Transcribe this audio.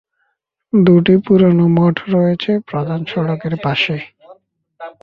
দু’টি পুরনো মঠ রয়েছে প্রধান সড়কের পাশে।